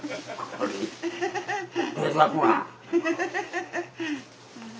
ハハハハッ。